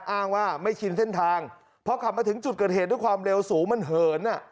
อ้างว่าไม่ชินเส้นทางพอขับมาถึงจุดเกิดเหตุด้วยความเร็วสูงมันเหินอ่ะ